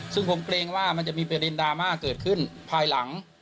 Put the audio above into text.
ซึ่งผมเกรงว่ามันจะมีประเด็นดราม่าเกิดขึ้นภายหลัง